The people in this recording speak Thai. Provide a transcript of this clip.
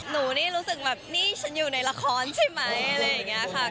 หนูนี่รู้สึกแบบนี่ฉันอยู่ในละครใช่ไหมอะไรอย่างนี้ค่ะ